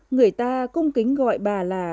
người ta cung kính gọi bà là